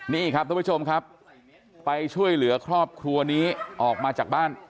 นี่ครับทุกผู้ชมครับไปช่วยเหลือครอบครัวนี้ออกมาจากบ้าน